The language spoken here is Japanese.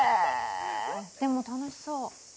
でも楽しそう。